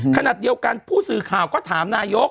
ขณะเดียวกันผู้สื่อข่าวก็ถามนายก